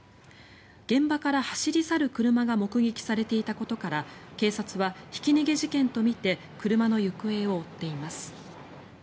現場から走り去る車が目撃されていたことから警察はひき逃げ事件とみて車の行方を追っています。